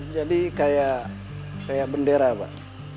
jadi kayak kayak bendera pak